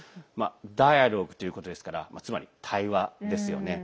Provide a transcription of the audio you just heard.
ダイアローグということですからつまり対話ですよね。